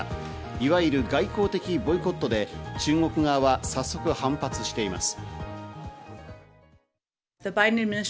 いわゆる外交的ボイコットで、中国側は早速反発しています。